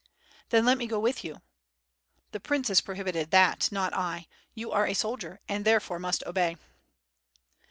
"Then let me go with you." "The prince has prohibited that, not I. You are a soldier and therefore must obey."